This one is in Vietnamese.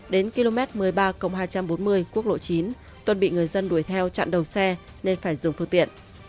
đến km một mươi ba hai trăm bốn mươi quốc lộ chín tuân bị người dân đuổi theo chặn đầu xe nên phải dừng phương tiện